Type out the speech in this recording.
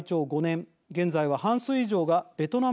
現在は半数以上がベトナムからです。